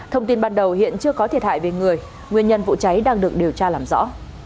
thông tin ban đầu hiện chưa có thiệt hại về người nguyên nhân vụ cháy đang được điều tra làm rõ